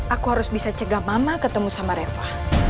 aku harus bisa cegah mama ketemu sama reva